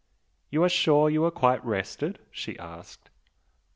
"You are sure you are quite rested?" she asked.